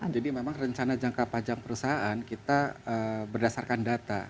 jadi memang rencana jangka panjang perusahaan kita berdasarkan data